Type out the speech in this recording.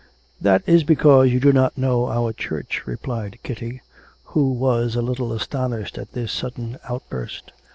That is because you do not know our Church,' replied Kitty, who was a little astonished at this sudden outburst.